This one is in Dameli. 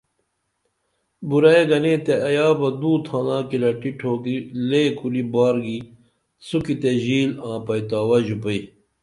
بُرعیے گنے تے ایا بہ دو تھانہ کِلٹی ٹھوکی لے کُری بار گی سوکتے ژیل آں پئتاوہ ژوپئی